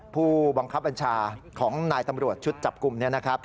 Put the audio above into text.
ผู้บังคับบัญชาของนายตำรวจชุดจับกลุ่มเนี่ยนะครับ